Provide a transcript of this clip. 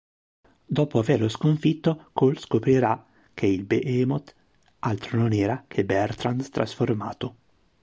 Dopo averlo sconfitto, Cole scoprirà che il Behemoth altro non era che Bertrand trasformato.